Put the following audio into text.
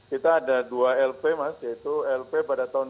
kita ada dua lp mas yaitu lp pada tahun dua ribu